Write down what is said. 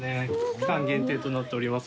期間限定となっております。